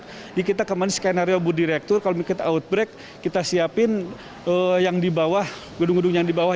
jadi kita kembali skenario bu direktur kalau kita outbreak kita siapin yang di bawah gedung gedung yang di bawah